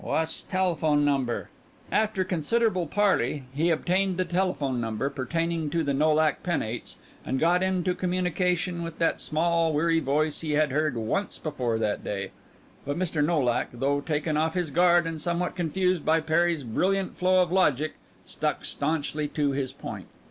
"Wha's telephone number?" After considerable parley he obtained the telephone number pertaining to the Nolak penates and got into communication with that small, weary voice he had heard once before that day. But Mr. Nolak, though taken off his guard and somewhat confused by Perry's brilliant flow of logic, stuck staunchly to his point.